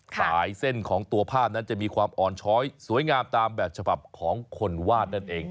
สายเส้นของตัวภาพนั้นจะมีความอ่อนช้อยสวยงามตามแบบฉบับของคนวาดนั่นเอง